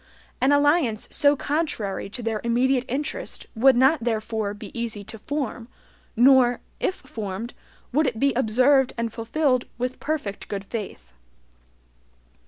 An alliance so contrary to their immediate interest would not therefore be easy to form, nor, if formed, would it be observed and fulfilled with perfect good faith.